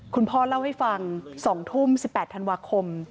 คุณพ่อเล่าให้ฟัง๒ทุ่ม๑๘ธันวาคม